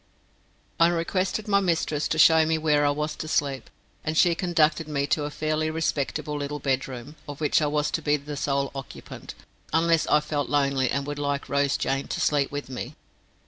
I requested my mistress to show me where I was to sleep, and she conducted me to a fairly respectable little bedroom, of which I was to be sole occupant, unless I felt lonely and would like Rose Jane to sleep with me.